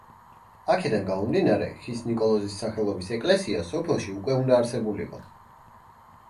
აქედან გამომდინარე, ხის ნიკოლოზის სახელობის ეკლესია სოფელში უკვე უნდა არსებულიყო.